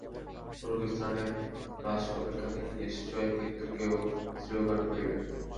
ওরূপ স্থানে বাস অপেক্ষা তিনি নিশ্চয় মৃত্যুকেও শ্রেয় জ্ঞান করিবেন।